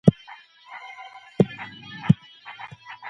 کمپيوټر وايرلس هم وصل کېدلاى سي.